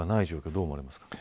どう思われますか。